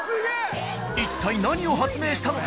一体何を発明したのか？